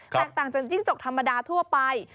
แตกต่างจากจิ้งจกธรรมดาทั่วไป